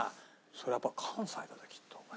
やっぱ関西だねきっと。